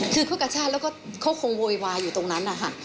คือเขากระชากแล้วก็เขาคงโวยวายอยู่ตรงนั้นนะคะ